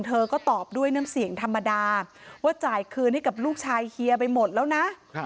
เธอก็ตอบด้วยน้ำเสียงธรรมดาว่าจ่ายคืนให้กับลูกชายเฮียไปหมดแล้วนะ